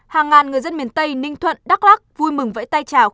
hàng ngàn người dân miền tây ninh thuận đắk lắc vui mừng vẫy tay chào